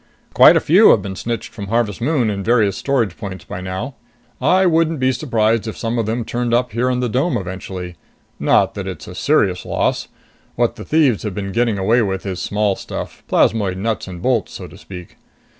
"Quite a few have been snitched from Harvest Moon and various storage points by now. I wouldn't be surprised if some of them turn up here in the dome eventually. Not that it's a serious loss. What the thieves have been getting away with is small stuff plasmoid nuts and bolts, so to speak.